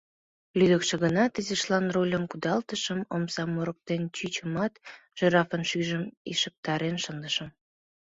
Лӱдыкшӧ гынат, изишлан рульым кудалтышым, омсам мурыктен чӱчымат, жирафын шӱйжым ишыктарен шындышым.